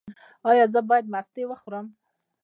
ایا زه باید مستې وخورم؟